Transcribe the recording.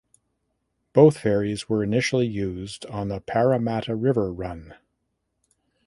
Both ferries were initially used on the Parramatta River run.